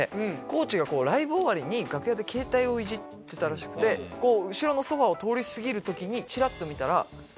地がライブ終わりに楽屋でケータイをいじってたらしくて後ろのソファを通り過ぎる時にちらっと見たら。